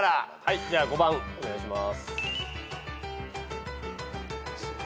じゃあ５番お願いします。